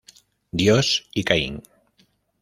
Dios y Caín.